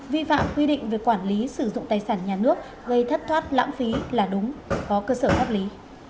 vi phạm quy định về quản lý sử dụng tài sản nhà nước gây thất thoát lãng phí là đúng có cơ sở pháp lý